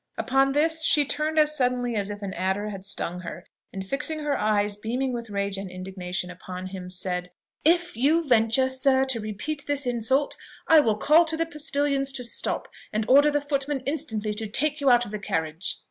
Upon this she turned as suddenly as if an adder had stung her, and fixing her eyes, beaming with rage and indignation, upon him, said, "If you venture, sir, to repeat this insult, I will call to the postillions to stop, and order the footman instantly to take you out of the carriage."